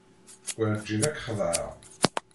Werǧin ad k-xedɛeɣ.